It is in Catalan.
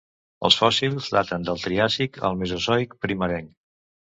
Els fòssils daten del Triàsic al Mesozoic primerenc.